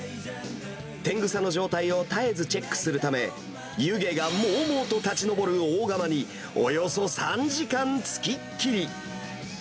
天草の状態を絶えずチェックするため、湯気がもうもうと立ち上る大釜に、およそ３時間、つきっきり。